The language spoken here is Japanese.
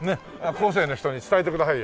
後世の人に伝えてくださいよ。